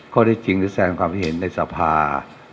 เขาได้จริงรักแสนความเห็นในสภา